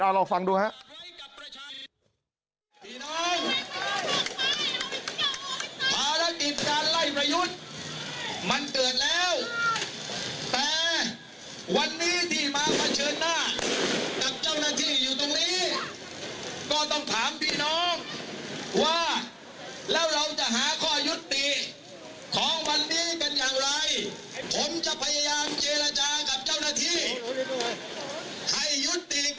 ลองฟังดูครับ